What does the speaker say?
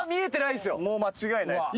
もう間違いないです。